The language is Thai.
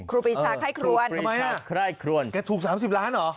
ครูปีชาไข้ครวญทำไมอ่ะไข้ครวญแกถูกสามสิบล้านเหรอ